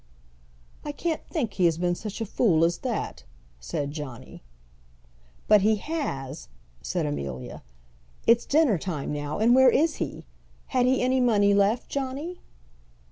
"I can't think he has been such a fool as that," said Johnny. "But he has," said Amelia. "It's dinner time now, and where is he? Had he any money left, Johnny?"